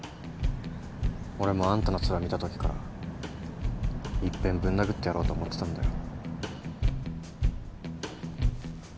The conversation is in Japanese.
俺もあんたのツラ見たときから一遍ぶん殴ってやろうと思ってたんだよ。